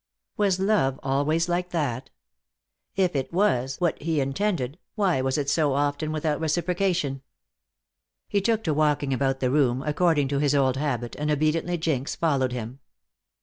Was love always like that? If it was what He intended, why was it so often without reciprocation? He took to walking about the room, according to his old habit, and obediently Jinx followed him.